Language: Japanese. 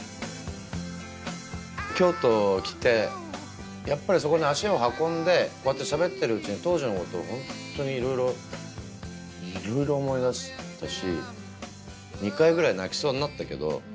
京都来てやっぱりそこに足を運んでこうやってしゃべってるうちに当時のことをホントにいろいろいろいろ思い出したし。